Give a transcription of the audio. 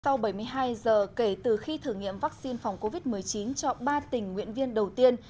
sau bảy mươi hai giờ kể từ khi thử nghiệm vaccine phòng covid một mươi chín cho ba tình nguyện viên đầu tiên